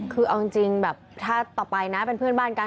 คือเอาจริงแบบถ้าต่อไปนะเป็นเพื่อนบ้านกัน